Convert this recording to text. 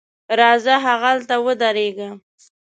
راځه هغلته ودرېږه.